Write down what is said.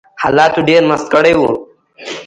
حالاتو ډېر مست کړي وو